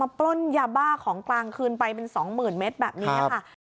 มาปล้นยาบ้าของกลางคืนไปเป็นสองหมื่นเมตรแบบนี้นะค่ะ